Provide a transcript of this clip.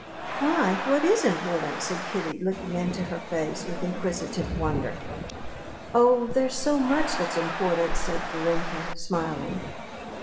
"Why, what is important?" said Kitty, looking into her face with inquisitive wonder. "Oh, there's so much that's important," said Varenka, smiling.